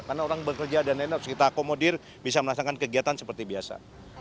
karena orang bekerja dan lain lain harus kita komodir bisa merasakan kegiatan seperti biasa